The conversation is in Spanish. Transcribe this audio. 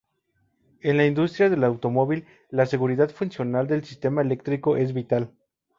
En la industria del automóvil, la seguridad funcional del sistema electrónico es vital.